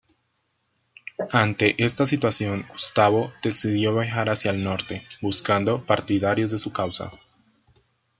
Ante esta situación Gustavo decidió viajar hacia el Norte, buscando partidarios de su causa.